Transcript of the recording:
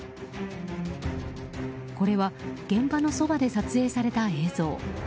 これは現場のそばで撮影された映像。